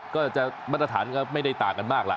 ก็จะมาตรฐานก็ไม่ได้ต่างกันมากล่ะ